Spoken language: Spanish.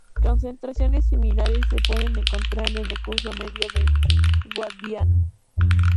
Concentraciones similares se pueden encontrar en el curso medio del Guadiana.